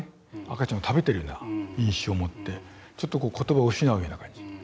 赤ちゃんを食べてるような印象を持ってちょっと言葉を失うような感じ。